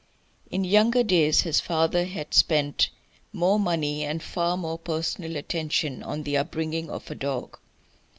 In younger days his father had spent more money and far more personal attention on the upbringing of a dog.